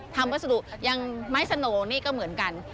วัสดุอย่างไม้สโนนี่ก็เหมือนกัน